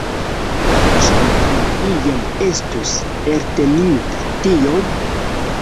Ĉu mi iam estus elteninta tiom?